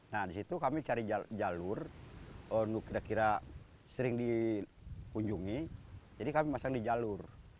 nah disitu kami cari jalur kira kira sering dikunjungi jadi kami masang di jalur